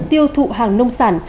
tiêu thụ hàng nông sản